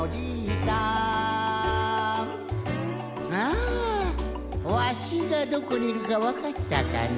あわしがどこにいるかわかったかな？